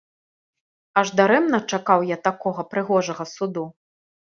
Аж дарэмна чакаў я такога прыгожага суду.